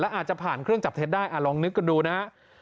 อาจจะผ่านเครื่องจับเท็จได้ลองนึกกันดูนะ